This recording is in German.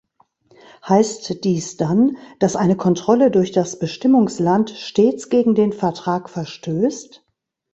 Heißt dies dann, dass eine Kontrolle durch das Bestimmungsland stets gegen den Vertrag verstößt?